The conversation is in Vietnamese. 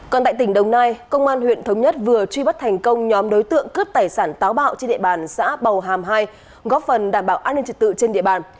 còn tại tỉnh đồng nai công an huyện thống nhất vừa truy bắt thành công nhóm đối tượng cướp tài sản táo bạo trên địa bàn xã bào hàm hai góp phần đảm bảo an ninh trật tự trên địa bàn